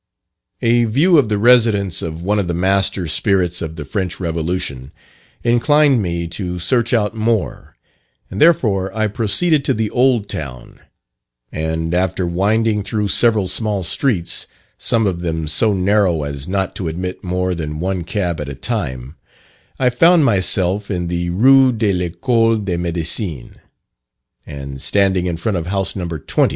A view of the residence of one of the master spirits of the French revolution inclined me to search out more, and therefore I proceeded to the old town, and after winding through several small streets some of them so narrow as not to admit more than one cab at a time I found myself in the Rue de L'Ecole de Medecine, and standing in front of house No. 20.